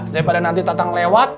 daripada nanti tatang lewat